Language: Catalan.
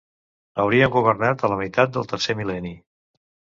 Haurien governat a la meitat del tercer mil·lenni.